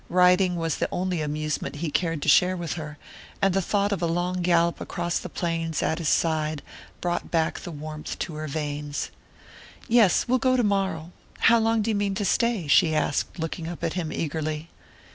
Riding was the only amusement he cared to share with her, and the thought of a long gallop across the plains at his side brought back the warmth to her veins. "Yes, we'll go tomorrow. How long do you mean to stay?" she asked, looking up at him eagerly.